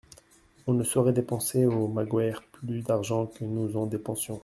On ne saurait dépenser au Magoër plus d'argent que nous en dépensions.